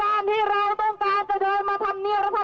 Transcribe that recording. เหนือไปกว่านั้นพี่น้องเหนือไปกว่านั้น